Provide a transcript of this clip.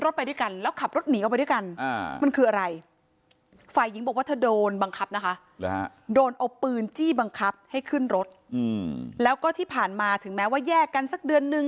ให้ขึ้นรถอืมแล้วก็ที่ผ่านมาถึงแม้ว่าแยกกันสักเดือนหนึ่ง